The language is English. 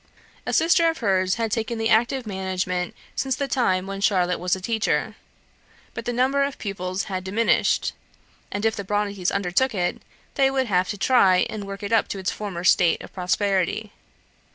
A sister of hers had taken the active management since the time when Charlotte was a teacher; but the number of pupils had diminished; and, if the Brontes undertook it, they would have to try and work it up to its former state of prosperity.